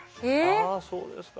あそうですか。